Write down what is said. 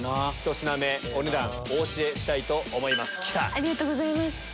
ありがとうございます。